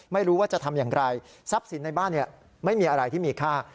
ไม่รู้ว่าจะทำอย่างไรทรัพย์สินในบ้านไม่มีอะไรที่มีค่า